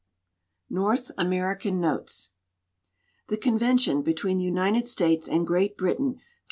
NORTH AMERICAN NOTES The convention between the United States and Great Britain to.